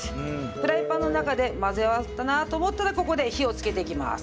フライパンの中で混ぜ合わさったなと思ったらここで火をつけていきます。